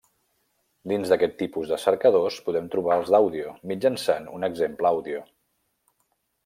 Dins d'aquest tipus de cercadors podem trobar els d'àudio mitjançant un exemple àudio.